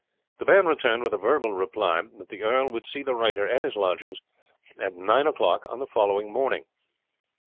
The man returned with a verbal reply, that the earl would see the writer at his lodging at nine o'clock on the following morning.